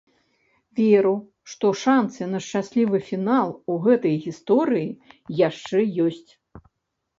Веру, што шанцы на шчаслівы фінал у гэтай гісторыі яшчэ ёсць.